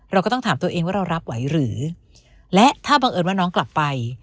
เราก็ต้องถามตัวเองว่าเรารับไหวหรือและถ้าบังเอิญว่าน้องกลับไป